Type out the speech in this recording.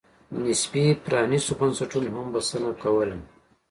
نسبي پرانېستو بنسټونو هم بسنه کوله.